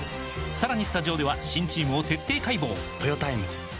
さらにスタジオでは新チームを徹底解剖！